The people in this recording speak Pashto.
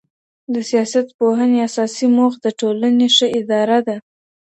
د سياست پوهني اساسي موخه د ټولنې ښه اداره ده.